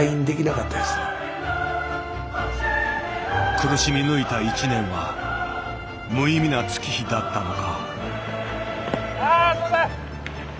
苦しみ抜いた１年は無意味な月日だったのか。